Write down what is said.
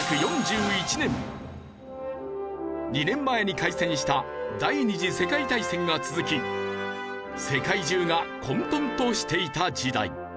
２年前に開戦した第二次世界大戦が続き世界中が混沌としていた時代。